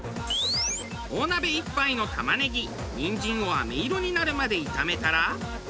大鍋いっぱいの玉ねぎにんじんを飴色になるまで炒めたら。